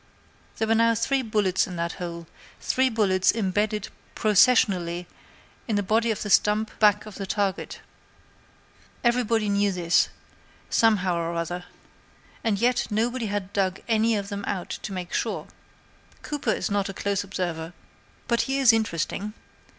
There were now three bullets in that one hole three bullets embedded processionally in the body of the stump back of the target. Everybody knew this somehow or other and yet nobody had dug any of them out to make sure. Cooper is not a close observer, but he is interesting.